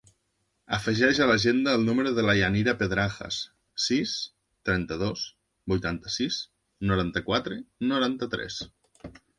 Afegeix a l'agenda el número de la Yanira Pedrajas: sis, trenta-dos, vuitanta-sis, noranta-quatre, noranta-tres.